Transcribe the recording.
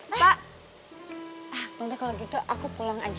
pak nanti kalau gitu aku pulang aja ya